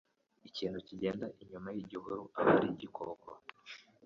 Ikintu kigenda inyuma yigihuru abari igikoko